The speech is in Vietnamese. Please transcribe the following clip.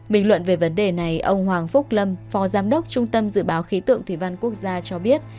bình luận về vấn đề này ông hoàng phúc lâm phó giám đốc trung tâm dự báo khí tượng thủy văn quốc gia cho biết